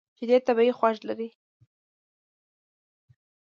شیدې طبیعي خوږ لري.